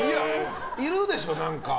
いるでしょ、何か。